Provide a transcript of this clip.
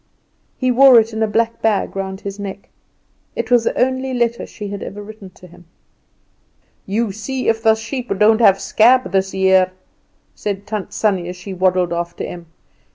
He wore it in a black bag round his neck. It was the only letter she had ever written to him. "You see if the sheep don't have the scab this year!" said Tant Sannie as she waddled after Em.